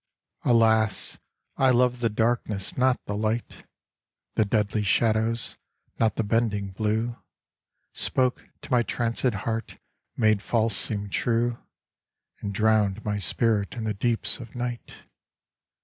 Alas, I loved the darkness, not the light! The deadly shadows, not the bending blue, Spoke to my trancëd heart, made false seem true, And drowned my spirit in the deeps of night.